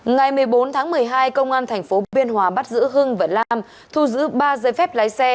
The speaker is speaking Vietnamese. ngày một mươi bốn tháng một mươi hai công an tp biên hòa bắt giữ hưng và lam thu giữ ba dây phép lái xe